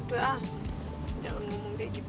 udah jangan ngomong kayak gitu deh